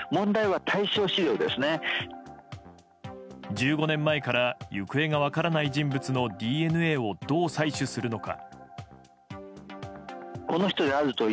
１５年前から行方が分からない人物のＤＮＡをどう採取するのか。